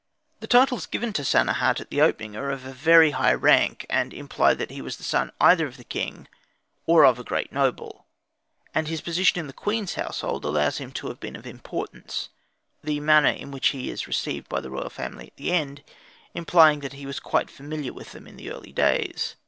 The titles given to Sanehat at the opening are of a very high rank, and imply that he was the son either of the king or of a great noble. And his position in the queen's household shows him to have been of importance; the manner in which he is received by the royal family at the end implying that he was quite familiar with them in early days.